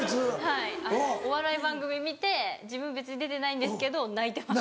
はいお笑い番組見て自分別に出てないんですけど泣いてます。